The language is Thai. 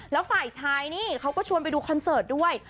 แล้วฝ่ายชายนี่เขาก็ชวนไปดูคอนเสิร์ตด้วย